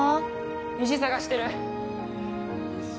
石探してる石？